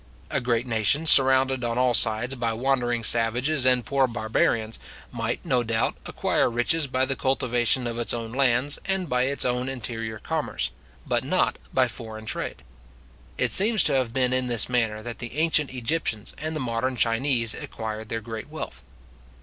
A great nation, surrounded on all sides by wandering savages and poor barbarians, might, no doubt, acquire riches by the cultivation of its own lands, and by its own interior commerce, but not by foreign trade. It seems to have been in this manner that the ancient Egyptians and the modern Chinese acquired their great wealth.